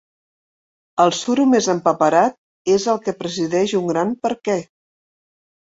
El suro més empaperat és el que presideix un gran «Per què?».